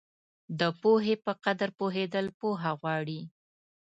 د پوهې په قدر پوهېدل پوهه غواړي.